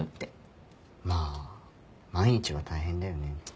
まあ毎日は大変だよね。